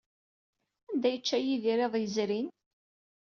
Anda ay yečča Yidir iḍ yezrin?